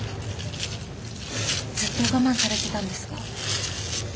ずっと我慢されてたんですか？